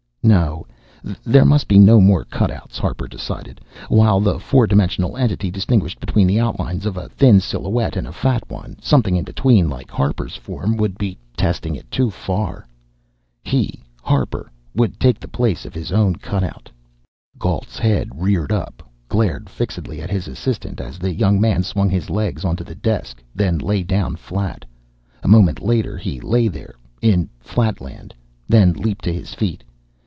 No, there must be no more cutouts, Harper decided. While the four dimensional entity distinguished between the outlines of a thin silhouette and a fat one, something in between, like Harper's form, would be testing It too far. He, Harper would take the place of his own cutout! Gault's head reared up, glared fixedly at his assistant as the young man swung his legs onto the desk, then lay down flat. A moment he lay there, in "Flatland" then leaped to his feet.